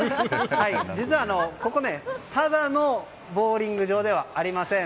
実はここただのボウリング場ではありません。